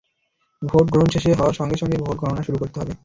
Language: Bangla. ভোট গ্রহণ শেষ হওয়ার সঙ্গে সঙ্গেই ভোট গণনা শুরু করতে হবে।